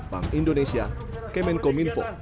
bank indonesia kemenko minfo